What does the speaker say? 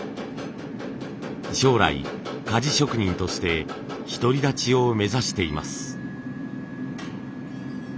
将来鍛冶職人として独り立ちを目指しています。